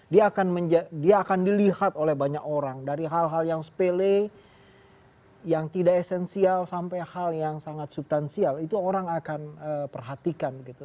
dia akan dilihat oleh banyak orang dari hal hal yang sepele yang tidak esensial sampai hal yang sangat subtansial itu orang akan perhatikan gitu